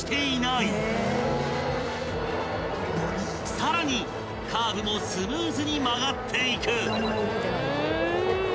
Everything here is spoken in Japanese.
［さらにカーブもスムーズに曲がっていく］